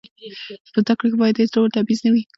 په زده کړه کې باید هېڅ ډول تبعیض نه وي.